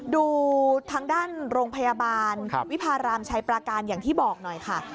ดูทางด้านโรงพยาบาลวิพารามชัยปราการอย่างที่บอกหน่อยค่ะ